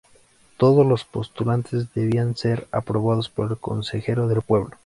Todos los postulantes debían ser aprobados por el Consejo del Pueblo.